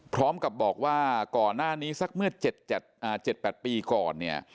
พร้อมกับบอกว่าก่อนหน้านี้สักเมื่อ๗๘ปีก่อนเนี่ย